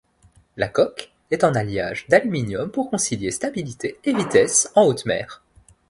La coque est en alliage d'aluminium pour concilier stabilité et vitesse en haute mer.